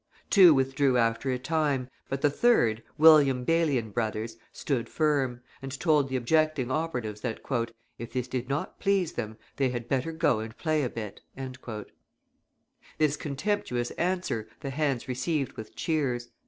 Two withdrew after a time, but the third, William Bailey & Brothers, stood firm, and told the objecting operatives that "if this did not please them, they had better go and play a bit." This contemptuous answer the hands received with cheers.